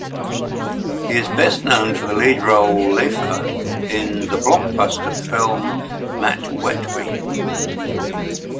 He is best known for the lead role "Lefa" in the blockbuster film "Matwetwe".